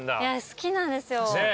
好きなんですよ。